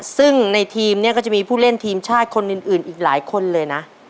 ซึ่งในทีมเนี่ยก็จะมีผู้เล่นทีมชาติคนอื่นอีกหลายคนเลยนะ